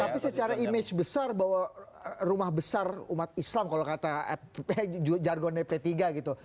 tapi secara image besar bahwa rumah besar umat islam kalau kata jargonnya p tiga gitu